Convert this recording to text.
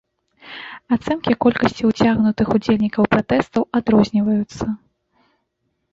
Ацэнкі колькасці уцягнутых удзельнікаў пратэстаў адрозніваюцца.